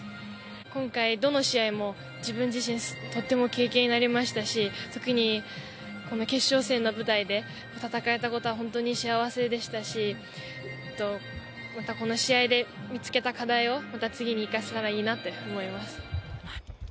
今回どの試合も自分自身とっても経験になりましたし特に決勝戦の舞台で戦えたことは本当に幸せでしたしまたこの試合で見つけた課題を次に生かせたらいいなと思います。